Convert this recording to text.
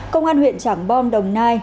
công an huyện trảng bom đồng nai